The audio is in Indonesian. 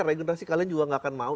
regenerasi kalian juga gak akan mau